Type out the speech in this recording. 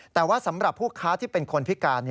แต่ว่าสำหรับผู้ค้าที่เป็นคนพิการ